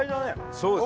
そうです